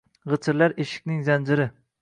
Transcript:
Gʻichirlar eshikning zanjiri